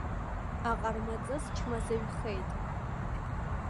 Аҟармаҵыс чмазаҩхеит.